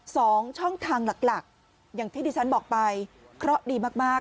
สองช่องทางหลักอย่างที่ดิฉันบอกไปเคราะดีมาก